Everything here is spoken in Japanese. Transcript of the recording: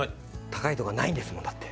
高いとこがないんですもんだって。